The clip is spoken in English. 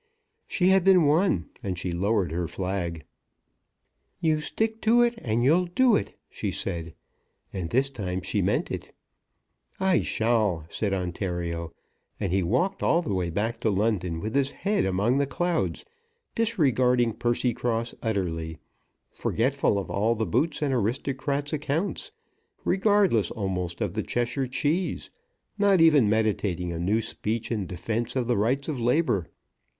She had been won, and she lowered her flag. "You stick to it, and you'll do it," she said; and this time she meant it. "I shall," said Ontario; and he walked all the way back to London, with his head among the clouds, disregarding Percycross utterly, forgetful of all the boots and aristocrats' accounts, regardless almost of the Cheshire Cheese, not even meditating a new speech in defence of the Rights of Labour.